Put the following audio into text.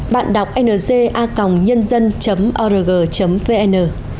bạn đọc ng a ng org vn